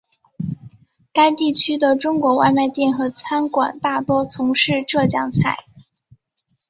该地区的中国外卖店和餐馆大多从事浙江菜。